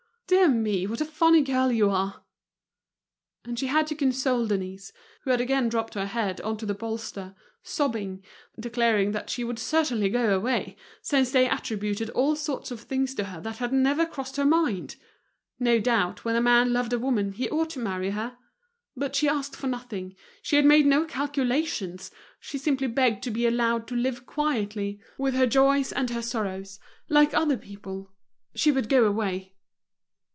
Dear me! what a funny girl you are!" And she had to console Denise, who had again dropped her head on to the bolster, sobbing, declaring that she would certainly go away, since they attributed all sorts of things to her that had never crossed her mind. No doubt, when a man loved a woman he ought to marry her. But she asked for nothing, she had made no calculations, she simply begged to be allowed to live quietly, with her joys and her sorrows, like other people. She would go away.